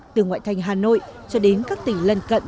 từ ngoại thành hà nội cho đến các tỉnh lân cận